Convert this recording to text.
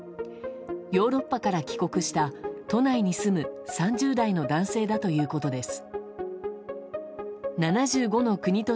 ヨーロッパから帰国した都内に住む３０代の男性だということです。